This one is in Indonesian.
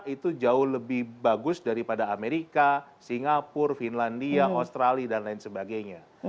itu jauh lebih bagus daripada amerika singapura finlandia australia dan lain sebagainya